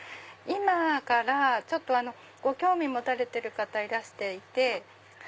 今からご興味持たれてる方いらしていて。